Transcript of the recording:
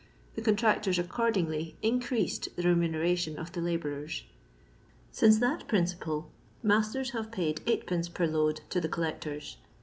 The contractors, accordingly, inentsed the remunera tion of the hibourers; since then the principal mas ten have paid ^d, per load to the collectors.